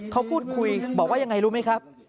เขาพูดคุยบอกว่ายังไงรู้ไหมครับ